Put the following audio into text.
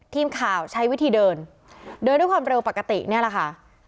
ทีมข่าวใช้วิธีเดินเดินด้วยความเร็วปกติเนี่ยแหละค่ะ